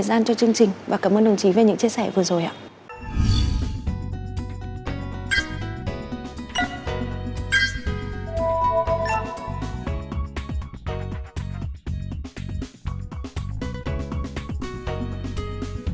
gian cho chương trình và cảm ơn đồng chí về những chia sẻ vừa rồi ạ à à à à à à à à à à à à à à à